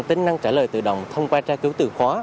tính năng trả lời tự động thông qua tra cứu từ khóa